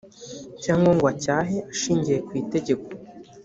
cyangwa ngo acyahe ashingiye ku itegeko